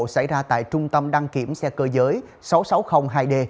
xảy ra tại trung tâm đăng kiểm xe cơ giới sáu nghìn sáu trăm linh hai d